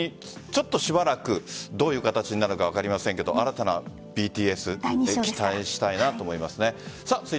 ちょっと、しばらくどういう形になるのか分かりませんが新たなＢＴＳに期待したいなと思います。